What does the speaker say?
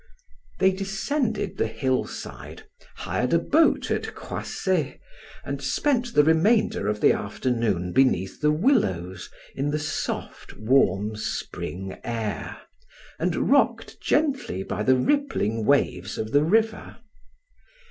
They descended the hillside, hired a boat at Croisset, and spent the remainder of the afternoon beneath the willows in the soft, warm, spring air, and rocked gently by the rippling waves of the river.